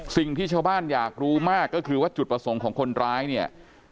สิ่งที่ชาวบ้านอยากรู้มากก็คือว่าจุดประสงค์ของคนร้ายเนี่ย